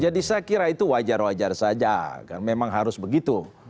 jadi saya kira itu wajar wajar saja memang harus begitu